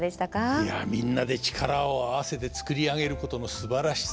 いやみんなで力を合わせて作り上げることのすばらしさ。